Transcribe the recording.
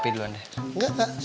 ini tuh memang anak tuh